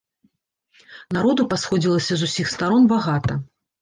Народу пасходзілася з усіх старон багата.